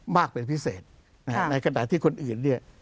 มากเป็นพิเศษในขณะที่คนอื่น